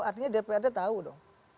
artinya dprd tahu dong